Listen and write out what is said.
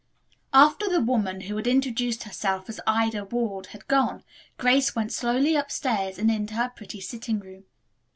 After the woman, who had introduced herself as Ida Ward, had gone, Grace went slowly upstairs and into her pretty sitting room.